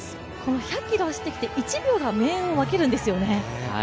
１００ｋｍ走ってきて１秒が命運を分けるんですよね。